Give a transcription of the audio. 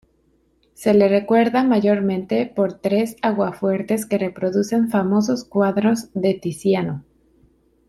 Se le recuerda mayormente por tres aguafuertes que reproducen famosos cuadros de Tiziano.